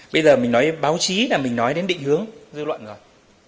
bây giờ mình nói báo chí là mình nói đến định hướng dư luận rồi